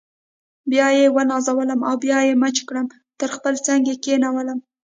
بیا یې ونازولم او بیا یې مچ کړم تر خپل څنګ یې کښېنولم.